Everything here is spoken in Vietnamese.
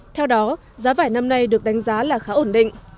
theo đó giá vải năm nay được đánh giá là khá ổn định